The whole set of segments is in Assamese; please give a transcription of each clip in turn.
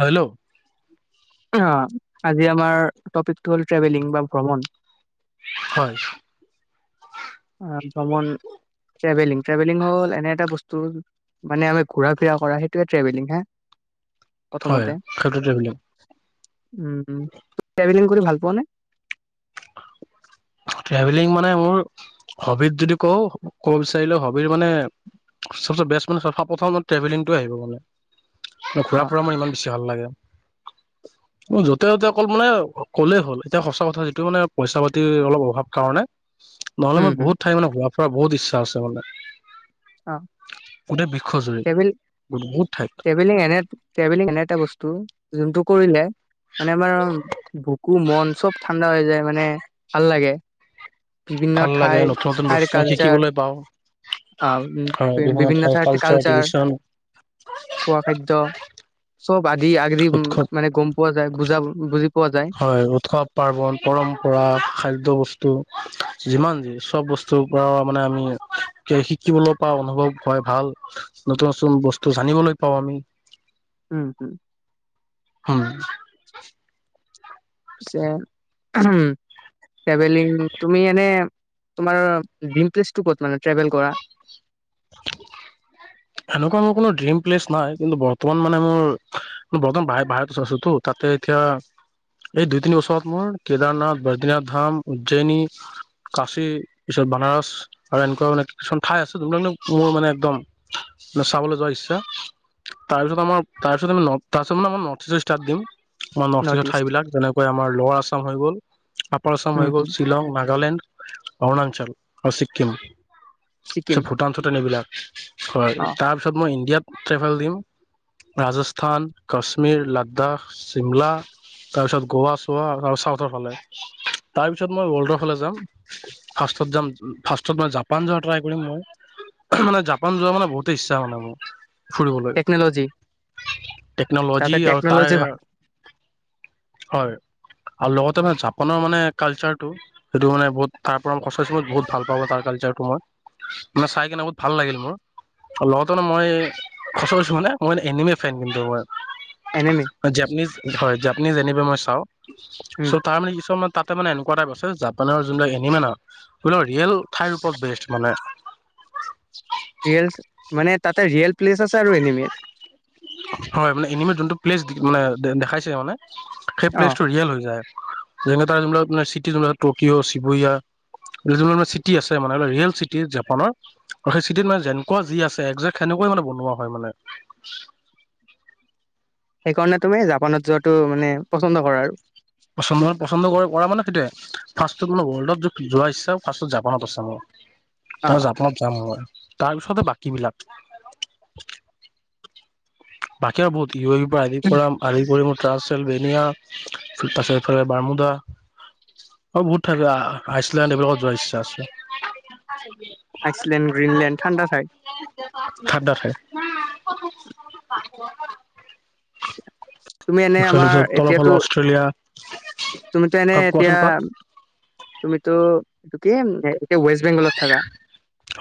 হেল্ল' অ'আজি আমাৰ টপিকটো হ'ল ট্ৰেভেলিং বা ভ্ৰমণ হয়। অ' ভ্ৰমন ট্ৰেভেলিং, ট্ৰেভেলিং হ'ল এনে এটা বস্তু মানে আমি ঘূৰা ফিৰা কৰা সেইটোৱে ট্ৰেভেলিং হা। হয়, প্ৰথমতে সেইটোৱে ট্ৰেভেলিং। উম, উম ট্ৰেভেলিং কৰি ভাল পোৱা নে? ট্ৰেভেলিং মানে মোৰ হ'বিত যদি কওঁ, ক'ব বিচাৰিলে হ'বত মানে চবচে বেষ্ট মানে চবচে প্ৰথম মই ট্ৰেভেলিঙটোৱে আহিব মানে, মোৰ ঘূৰা অ ফুৰা মোৰ ইমান বেছি ভাল লাগে। উ য'তে ত'তে অকল মানে ক'লেই হ'ল, এতিয়া সঁচা কথা যিটো মানে পইচা পাতি টিৰ অলপ অভাৱ কাৰণে, নহ'লে হুম মই হুম বহুত ঠাই মানে ঘূৰা ফুৰা বহুত ইচ্ছা আছে মানে। অ'। গোটেই বিশ্বজুৰি ট্ৰেভেল বহুত ঠাইত ট্ৰেভেলিং এনে ট্ৰেভেলিং এনে এটা বস্তু যোনটো কৰিলে মানে আমাৰ বুকু মন চব ঠাণ্ডা হৈ যায় মানে ভাল লাগে। বিভিন্ন ভাল লাগে ঠাই নতুন নতুন ঠাইৰ বস্তু কালচাৰ শিকিবলৈ পাওঁ আৰু বিভিন্ন ঠাইৰ কালচাৰ খোৱা খাদ্য চব আদি আগৰি উৎসৱ মানে গ'ম পোৱা যায় বুজা বুজি পোৱা যায়। হয়। উৎসৱ পাৰ্বন পৰম্পৰা খাদ্য বস্তু যিমান যি চব বস্তুৰ পৰাও মানে আমি শিকিবলৈ পৰা অনুভৱ হয় ভাল নতুন নতুন বস্তু জানিবলৈ পাওঁ আমি। উম, হুম। অ [unintelligible] পিছে, ট্ৰেভেলিং তুমি এনে তোমাৰ ডিম প্লেচটো ক'ত মানে ট্ৰেভেল কৰা? এনেকুৱা মোৰ কোনো ড্ৰিম প্লেচ নাই, কিন্তু বৰ্তমান মানে মোৰ বৰ্তমান বাহ বাহিৰত আছোতো তাত এতিয়া এই দুই তিনি বছৰত মোৰ কেদাৰনাথ বদ্ৰীনাথ ধাম উজ্জয়নী কাশী পিছত বনাৰস আৰু এনেকুৱা মানে কিছুমান ঠাই আছে যোনবিলাক মোৰ মানে একদম ন চাবলৈ যোৱা ইচ্ছা তাৰপিছত আমাৰ তাৰপিছত আমাৰ তাৰপিছত মানে আমাৰ নৰ্থ ইষ্টত ষ্টাৰ্ট দিম। আমাৰ নৰ্থ ইষ্টৰ ঠাই বিলাক, যেনেকৈ আমাৰ লৱাৰ আছাম হৈ গ'ল। আপাৰ আচাম উম হৈ গ'ল, হুম। শ্বিলং নাগালেণ্ড অৰুণাচল আৰু ছিকিম, ছিকিম পাছত ভূটান চুটান এইবিলাক, হয় অ তাৰপিছত মই ইণ্ডিয়াত ট্ৰেভেল দিম, ৰাজস্থান কাশ্মীৰ লাড্ডাখ চিমলা তাৰপিছত গোৱা চোৱা আৰু চাউথৰ ফালে। তাৰপিছত মই ৱৰ্ল্ডৰ ফালে যাম, ফাৰ্ষ্টত যাম ফাৰ্ষ্টত মই জাপান যোৱা ট্ৰাই কৰিম মই। মানে জাপান যোৱা মানে বহুতে ইচ্ছা মানে মোৰ। ফুৰিবলৈ টেকন'লজি টেকনল'জি তাতে আৰু তাৰে টেকন'লজি ভাল হয়। আৰু লগতে মানে জাপানৰ মানে কালচাৰটো, সেইটো মানে বহুত তাৰ পৰা সচৰাচৰত বহুত ভাল পাওঁ তাৰ কালচাৰটো তো মই, মানে চাই কিনে বহুত ভাল লাগিল মোৰ। লগতে ন মই সঁচা কৈছো মানে মই এনিমেল ফেন কিন্তু মই। এনেমি জাপানিজ হয় জাপানিজ এনিমেন মই চাওঁ। চ' তাৰমানে কিছুমান তাতে মানে এনেকুৱা টাইপ আছে জাপানৰ যোনবিলাক এনিমেন আৰু সেইবিলাক ৰিয়েল ঠাইৰ ওপৰত বেষ্ট মানে। ৰিয়েল মানে তাতে ৰিয়েল প্লেচ আছে আৰু এনিমেত। হয় মানে এনিমেত যোনটো প্লেচ মানে দেখাইছে মানে সেই অ প্লেচটো ৰিয়েল হৈ যায়। যেনে তাৰ যোনবিলাক মানে চিটি টকিঅ' চবয়া। যাবিলাক চিটি আছে মানে ৰিয়েল চিটি জাপানৰ আৰু সেই চিটিত মানে যেনেকুৱা আছে একজেক্ট সেনেকুৱা কৈ মানে বনোৱা হয় মানে। সেইকাৰণে তুমি জাপানত যোৱাটো মানে পচন্দ কৰা আৰু। পচন্দ মানে পচন্দ কৰে কৰা মানে সেইটোয়ে। ফাৰ্ষ্টত মানে ৱৰ্ল্ডত যোৱা ইচ্ছা ফাৰ্ষ্টত জাপানত আছে মোৰ। অ। তাৰছ জাপনত যাম ম তাৰপিছতে বাকী বিলাক বাকী আৰু বহুত ই পৰা আৰি কৰা আৰি কৰি মোৰ ত্ৰাছ চ বেনীয়া তাৰপিছত এইফালে বাৰ্মুডা অ বহুত থাকে আইচলেণ্ড এইবিলাকত যোৱা ইচ্ছা আছে আইচলেণ্ড গ্ৰীনলেণ্ড ঠাণ্ডা ঠাই ঠাণ্ডা ঠাই তুমি এনে তাৰপিছত আমাৰ অলপ হলেও এতিয়াতো অষ্ট্ৰেলিয়া তুমিতো এনে কোৱাচোন এতিয়া কোৱা তুমিতো এইটো কি হে ৱেষ্ট বেংগলত থাককা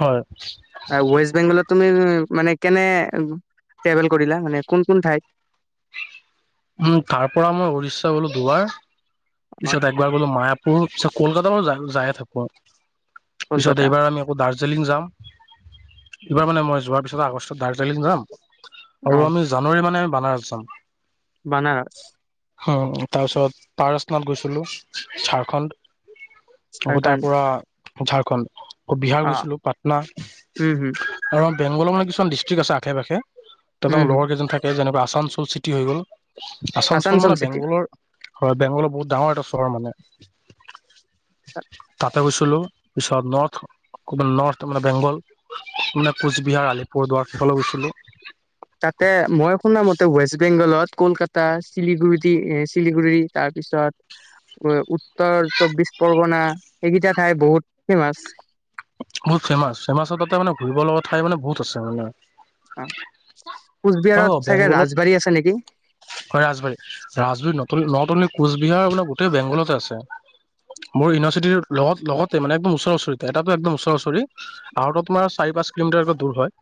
হয়। ৱেষ্ট বেংগলত তুমি মানে কেনে ট্ৰেভেল কৰিলা মানে কোন কোন ঠাইত উম তাৰ পৰা মই উৰিষ্যা গ'লো দুবাৰ অ পিছত একবাৰ গলো মায়াপুৰ পিছত কলকাতা য যাই থাকো পিছত কলকাতা এইবাৰ আমি আকৌ দাৰ্জিলিং যাম এইবাৰ মানে মই যোৱাৰ পিছত আগষ্টত দাৰ্জিলিং যাম অ আৰু আমি জানুৱাৰী মানে বনাৰছাম বানাৰস উ তাৰপিছত পাৰসনত গৈছিলো ঝাৰখণ্ড তাৰ ঝাৰখণ্ড পৰা ঝাৰখণ্ড বিহাৰ অ গৈছিলোঁ পাটনা উম হম আৰু বেংগলৰ মানে কিছুমান ডিষ্ট্ৰিক্ট আছে আশে পাশে তেঁতৰ উম হম লগৰ কেইজন থাকে যেনেকুৱা আসানসোল চিটি হৈ গ'ল আসানসোল আসানচোল মানে চিটি বেংগলৰ হয় বেংগলৰ বহুত ডাঙৰ এটা চহৰ মানে তাতে গৈছিলোঁ পিছত নৰ্থ ক নৰ্থ মে বেংগল মানে কোচবিহাৰ আলিপুৰ দুৱাৰ তাতে মই শুনামতে ৱেষ্ট বেংগলত কলকাতা শিলিগুৰি এ শিলিগুৰি তাৰপিছত উ উত্তৰ চব্বিশ পৰগনা এইকেইটা ঠাই বহুত ফেমাচ বহুত ফেমাচ ফেমাছ তাতে মানে ঘুৰিব লগা ঠাই মানে বহুত আছে মানে আৰু কোচবিহাৰত চাগে বেংগলত ৰাজবাৰী আছে নেকি হয় ৰাজবাৰী ৰাজবাৰী নটুন নট অনলি কোচবিহাৰ গোটেই বেংগলতে আছে মোৰ ইউনিৰ্চিটিৰ লগতে মে একদ ওচ ওচৰিতে এটাটো একদমচ ৰ তোমাৰ চাৰি পাঁচ কিলোমিটাৰকে দূৰ হয়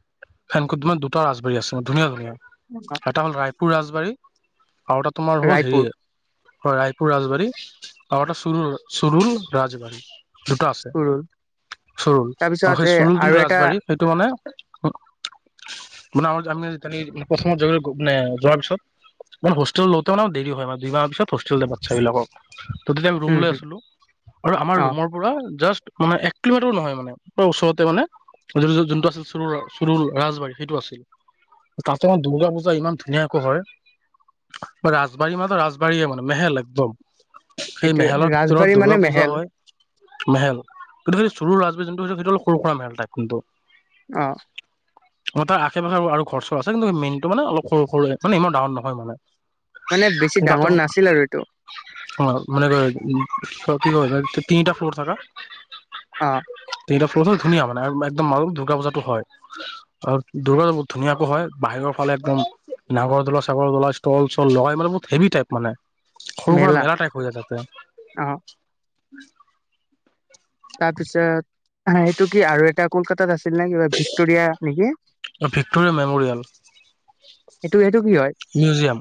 সেনকু তোমাৰ দুটা ৰাজবাৰী আছে ধুনীয়া ধুনীয়া অ এটা হ'ল ৰায়পুৰ ৰাজবাৰী আৰু এটা তোমাৰ হ'ল হেৰি ৰায়পুৰ হয় ৰায়পুৰ ৰাজবাৰী আৰু এটা চৰু চৰুৰ ৰাজবাৰী দুটা আছে কুৰুল চৰুল তাৰপিছত আৰু সেই এ চৰুল আৰু যোনটো এটা ৰাজবাৰী সেইটো মানে মানে আমি প্ৰথম মানে যোৱাৰ পিছত মানে হোষ্টেল লওঁতে মানে দেৰি হয় মান দুই মাহ পিছত হোষ্টেল দিয়ে বাচ্ছ বিলাকক ত আমি ৰুম উম লৈ হম আছিলোঁ আৰু আমাৰ অ ৰুমৰ পৰা জাষ্ট মানে এক কিলোমিটাৰ নহয় মানে ওচৰতে মানে তহঁতি যোনটো আছিল চৰু চুৰুুৰ ৰাজবাৰী সেইটো আছিল তাতে মানে দুৰ্গা পূজা ইমান ধুনীয়াকৈ হয় ৰাজবাৰী মাতো ৰাজবাৰীয়ে মানে মেহেল একদম সেই সেইটোয়ে মেহেলত ভিতৰত তোৰত ৰাজবাৰী মানে দুৰ্গা পূজা মেহেল হয়। মেহেল কিন্তু সেই চৰু ৰাজবি যোনটো সেইটো অলপ সৰু সুৰা মেল টাইপ কিন্তু। অ ম তাৰ আশে পাশে আৰু চৰ আছে কিন্তু মেইনটো মানে অলপ সৰু সৰু মানে ইমা ডাঙৰ নহয় মানে। মানে বেছি ডাঙৰ নাছিল আৰু এইটো। অ মানে ক উ কি ক তিনিটা ফ্লৰ থাকা। আ। তিনটা ফ্লৰত ধুনীয়া মানে আৰু একদম ম দুৰ্গা পূজাটো হয় আৰু দুৰ্গা পূজা বহুত ধুনীয়াকৈ হয়। বাহিৰত ফালে একদম নাঙৰ ধোলা চাগৰোলা ষ্টল চল লগাই মানে বহুত হেভি টাইপ মানে। সৰু সুৰা মেলা টাইপ হৈ যায় তাতে। অ তাৰ পিছত হ সেইটো কি আৰু এটা কলকাতাত আছিল নে কিবা ভিক্টৰিয়া নেকি। Victoria memorial. সেইটো সেইটো কি হয় মিউজিয়াম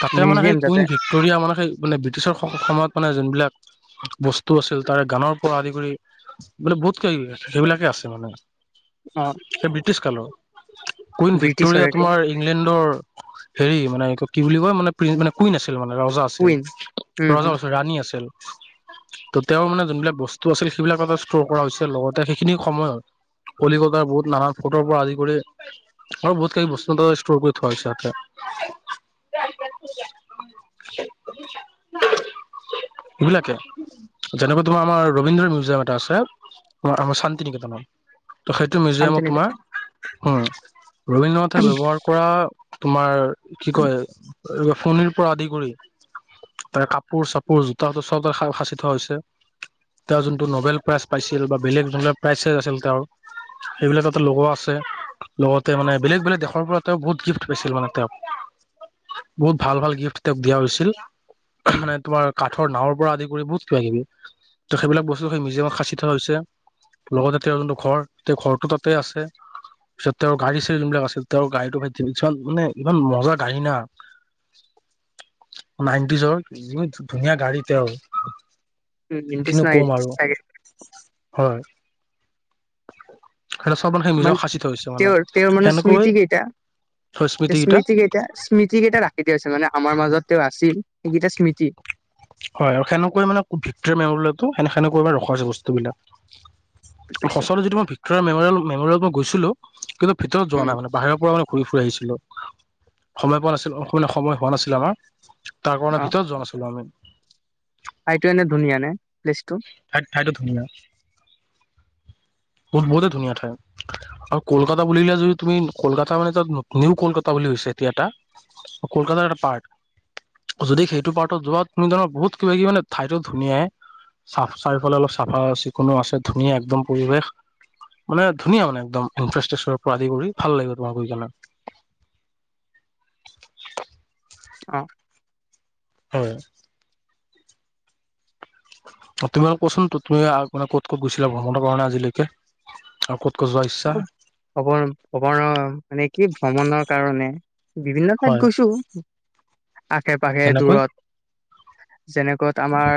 তাতে মানে সেই মিউজিয়াম কুইন তাতে ভিক্টৰিয়া মানে সেই মানে ব্ৰিটিছৰ সময়ত মানে। বিলাক বস্তু আছিল তাৰে গানৰ পৰা আদি কৰি বোলে বহুত কিবা কিবি সেইবিলাকে আছে মানে। অ সেই ব্ৰিটিছ কালৰ। কুইন ব্ৰিটিছৰ ভিক্টৰিয়া এইটো তোমাৰ ইংলেণ্ডৰ। হেৰি মানে কি বুলি কয় মানে প্ৰি মানে কুইন আছিল মানে ৰজা আছিল কুইন উম ৰজা হম নহয় ৰাণী আছিল। [inaudible] ত' তেওঁ মানে যোনবিলাক বস্তু আছিল সেইবিলাক এটা ষ্ট'ৰ কৰা হৈছিল লগতে সেইখিনি সময়ত। কলিকতাৰ বহুত নানান ফটোৰ পৰা আদি কৰি আৰু বহুত কি বস্তু এটা ষ্টৰ কৰি থোৱা হৈছে। [inaudible] এইবিলাকে। যেনেকুৱা তোমাৰ আমাৰ ৰবীন্দ্ৰ মিউজিয়াম এটা আছে আমাৰ চান্তি নিকেতনত। ত' সেইটো মিউজিয়ামত তোমাৰ, শান্তিনিকেতন হম ৰবীন্দ্ৰনাথে ব্যৱহাৰ কৰা। তোমাৰ কি কয় ফনিৰ পৰা আদি কৰি। তাৰ কাপোৰ-চাপোৰ জোতা চব সাঁচি থোৱা হৈছে। তেওঁ যোনটো ন'বেল প্ৰাইজ পাইছিল বা বেলেগ যোনবিলাক প্ৰাইজ চাইজ আছিল তেওঁ সেইবিলাক তাতে লগোৱা আছে। লগতে মানে বেলেগ, বেলেগ দেশৰ পৰা তেওঁক বহুত গিফ্ট পাইছিল মানে তেওঁক বহুত ভাল, ভাল গিফ্ট তেওঁক দিয়া হৈছিল। মানে তোমাৰ কাঠৰ নাৱৰ পৰা আদি কৰি বহুত কিবা কিবি। ত সেইবিলাক বস্তু সেই মিউজিয়ামত সাঁচি থোৱা হৈছে। লগতে তেওঁৰ যোনটো ঘৰ তেওঁৰ ঘৰটো তাতে আছে। পিছত তেওঁৰ গাড়ী চাৰি জোনবিলাক আছিল তেওঁৰ গড়ীটো ভাই কিমান মানে ইমান মজা গাড়ী না। নাইনটিজৰ। ধুনীয়া গাড়ী তেওঁৰ, ব্ৰিটিছ কিনো নাই কম আৰু। চাগে হয়। [unintelligible] চব মান সেই মানে মিউজিয়ামট সাঁচি থোৱা হৈছে মানে তেওঁৰ সেনেকৈ। স্মৃতিকেইটা, স্মৃতিকেইটা ৰাখি দিয়া হৈছে মানে। আমাৰ মাজত তেওঁ আছিল সেইকেইটা স্মৃতি। হয় সেনেকৈ মানে ভিক্টোৰিয়া মেমৰিয়েলটো সেনেকৈ ৰখা হৈছে বস্তুবিলাক।। কৈছো [unintelligible] যিটো মই ভিক্টৰিয়েল মেমেৰিয়েল মেমৰিয়েল মই গৈছিলো। কিন্তু ভিতৰত যোৱা উম নাই মানে বাহিৰৰ পৰা মান ঘূৰি ফুৰি আহিছো।। সময় পোৱা নাছিল অ সময় হোৱা নাছিল আমাৰ। তাৰ কাৰণে অ ভিতৰত যোৱা নাছিলোঁ আমি। ঠাইতো এনে ধুনীয়া নে? প্লেচটো ঠাই ঠাইতো ধুনীয়া ব বহুতে ধুনীয়া ঠাই। আৰু কলকাতা বুলিলে যদি তুমি কলকাতা মানে তাত নিউ কলকাতা বুলি হৈছে এতিয়া এটা। কলকাতাৰ এটা পাৰ্ট। যদি সেইটো পাৰ্টত যোৱা তুমি ধৰা বহুত কিবা কি মানে ঠাইতো ধুনীয়াই। চাফ চাৰিওফালে অলপ চাফা চিকুণো আছে ধুনীয়া একদম পৰিৱেশ। মানে ধুনীয়া মানে একদম ইনফেৰেষ্ট পৰা আদি কৰি ভাল লাগিব তোমাক গৈ কেনে। [inaudible] অ'। হয়। তুমি অ কচোন তুমি মানে ক'ত ক'ত গৈছিলা ভ্ৰমণৰ কাৰণে আজিলৈকে আৰু ক'ত। ক'ত যোৱা ইচ্ছা? অ অপ ভমনৰ মানে কি ভ্ৰমণৰ কাৰণে। বিভিন্ন ঠাইত হয় গৈছো আশে পাশে যেনেকৈ দূৰত। যেনেকত আমাৰ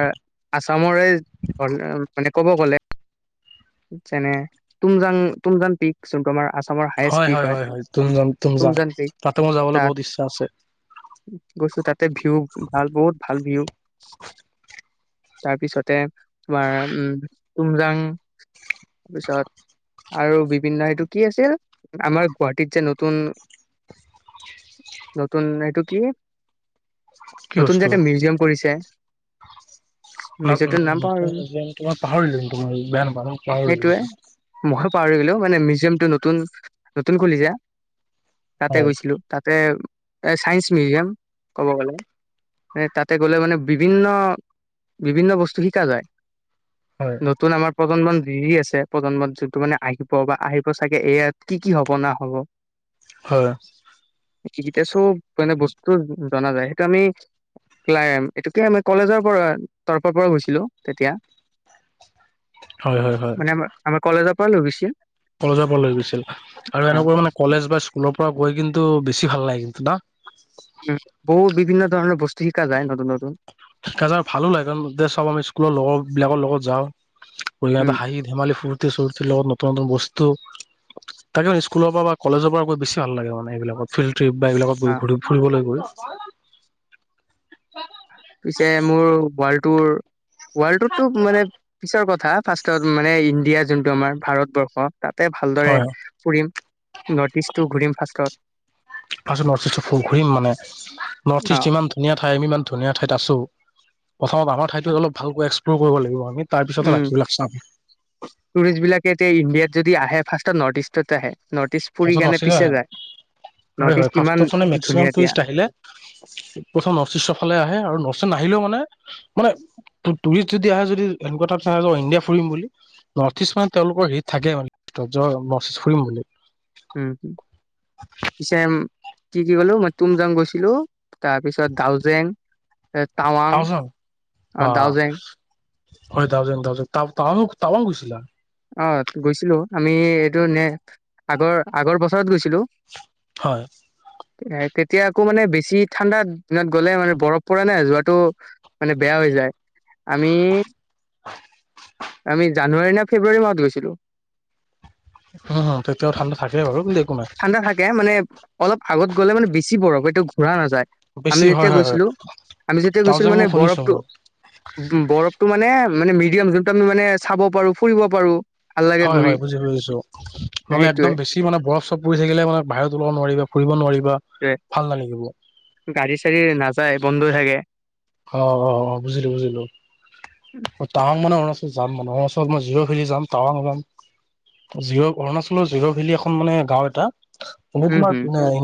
আছামৰে ধৰ মানে ক'ব গ'লে। যেনে তুমজাং তুমজাং পিক জোনটো আমাৰ। আছামৰ হায়েষ্ট হয়, পিক হয়, হয়, হয় তুমজাং, তুমজাং তাতে মোৰ যাবলৈ তাত বহুত ইচ্ছা আছে। গৈছো তাতে ভিউ ভাল বহুত ভাল ভিউ তাৰপিছতে তোমাৰ উম তুমজাং পিছত আৰু বিভিন্ন এইটো কি আছিল আমাৰ গুৱাহাটীত যে নতুন নতুন এইটো কি কি নতুন যে বস্তু এটা মিউজিয়াম কৰিছে? নতুন মিউজিয়ামটোৰ নাম পাহৰিলো মিউজিয়াম তোমাৰ পাহৰিলো কিন্তু ময়ো বেয়া নাপাবা পাহৰিল ময়ো পাহৰি গ'লো মানে মিউজিয়ামটো নতুন নতুন খুলিছে, তাতে হয় গৈছিলো। তাত এ, এ চাইন্স মিউজিয়াম ক'ব গ'লে। তাতে গ'লে মানে বিভিন্ন বিভিন্ন বস্তু শিকা যায়। হয় নতুন আমাৰ প্ৰজন্ম মালি আছে প্ৰজন্মত যোনটো মানে আহিব বা আহিব চাগে এয়াত কি কি হব না হব হয়। কিকিটা চব মানে বস্তু জনা যায়। সেইটো আমি ক্লাইম এইটোকে [unintelligible] কলেজৰ পৰা তৰফৰ পৰা গৈছিলোঁ তেতিয়া। হয় হয় হয় মানে আমাৰ, আমাৰ কলেজৰ পৰা লৈ গৈছিল। কলেজৰ পৰা লৈ গৈছিল, আৰু অ এনেকুৱা মানে কলেজ বা স্কুলত পৰা গৈ কিন্তু বেছি ভাল লাগিল ন? উম, বহুত বিভিন্ন ধৰণৰ বস্তু শিকা যায় নতুন, নতুন। [unintelligible] ভালো লাগে, কাৰণ চব আমি স্কুলৰ লগৰ বিলাকৰ লগত যাওঁ। উ উম হাঁহি ধেমালি ফুৰ্তি ফুুৰি লগত নতুন নতুন বস্তু তাকে স্কুলৰ পৰা বা কলেজৰ পৰা গৈ বেছি ভাল লাগে মানে সেইবিলাকত ফিল্ড ট্ৰিপ বা এইবিলাকত অ গৈ ফুৰিবলৈ গৈ পিছে মোৰ ৱাল্টোৰ ৱাল্টোতো মানে পিছৰ কথা ফাৰ্ষ্টত মানে ইণ্ডিয়া যোনটো আমাৰ ভাৰতবৰ্ষ তাতে ভালদৰে হয় ফুৰিম। নৰ্থ ইষ্টটো ঘূৰিম ফাৰ্ষষ্টত। ফাৰ্ষ্টত নৰ্থ ইষ্টৰ ফ ঘূৰিম মানে নৰ্থ অ ইষ্ট ইমান ধুনীয়া ঠাই আমি ইমান ধুনীয়া ঠাইত আছো। প্ৰথমত আমাৰ ঠাইত অলপ ভালকৈ এক্সপ্ল'ৰ কৰিব লাগিব আমি। তাৰ পিছতে উম বাকীবিলাক চাম। টুৰিষ্টবিলাকে এতিয়া ইণ্ডিয়াত যদি আহে ফাৰ্ষ্টত নৰ্থ ইষ্টত আহে। তেজপুৰীৰ ফাৰ্ষ্টত কাৰণে নৰ্থ ইষ্ট পিছে আহে যায়। হয় নৰ্থ হয় ইষ্ট ফাৰ্ষ্টত ইমান মানে মেক্সিমাম ধুনীয়া দিয়া টুৰিষ্ট আহিলে প্ৰথম নৰ্থ ইষ্টৰ ফালে আহে আৰু ছত নাহিলেও মানে মানে টুৰিষ্ট যদি আহে যদি এনেকুৱা চ যা ইণ্ডিয়া ফুৰিম বুলি নৰ্থ ইষ্ট মানে তেওঁলোকৰ হেৰিত থাকে মানে নৰ্থ ই ফুৰিম বুলি উম কিছেম কি-কি কলো মই তুমজাং গৈছিলো তাৰ পিছত দাউজেং টাৱাং টাউজন আও বা ডাওঁজেং হয়, ডাওজেং ডাউজেং টান টাৱাংও গৈছিলা। অ, গৈছিলো আমি এইটো নে আগৰ আগৰ বছৰত গৈছিলো। হয় [unintelligible] তেতিয়া আকৌ মানে বেছি ঠাণ্ডা দিনত গ'লে মানে বৰফ পৰে না যোৱাটো মানে বেয়া হৈ যায়। আমি আমি জানুৱাৰী নে ফেব্ৰুৱাৰী মাহত গৈছিলোঁ। উম তেতিয়াও ঠাণ্ডা থাকে বাৰু একো নাই ঠাণ্ডা থাকে মানে অলপ আগত গলে মানে বেছি বৰফ এতিয়া ঘূৰা নাযায়। আমি বেছি হয় যেতিয়া হয় হয় গৈছিলো আমি যেতিয়া তাও গৈছিলো যে মানে মই শুনিছো বৰফটো মই বৰফটো মানে মানে মিডিয়াম যোনটো আমি মানে চাব পাৰো ফুৰিব পাৰো ভাল লাগে ঘূৰি হয়-হয় বুজি-বুজিছো নহলে একদম সেইটোয়ে বেছি মানে বৰফ ফুৰি থাকে মানে বাহিৰত ওলাব নোৱাৰিব ফুৰিব নোৱাৰি সেইটোৱে গাড়ী চাৰি নাযায় বন্ধ থাকে। অ অ বুজিলো বুজিলো টাৱাং মানে অৰুণাচল যাম মানুহৰ ওচৰত মই জিৰ' ভেলি যাম টাৱাং ওলাম জিৰ' অৰুণাচলৰ জিৰ' ভেলী এখন মানে গাও এটা ম উম হম তোমাৰ